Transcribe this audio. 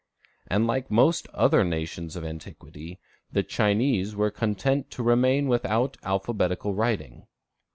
And like most other nations of antiquity, the Chinese were content to remain without alphabetical writing.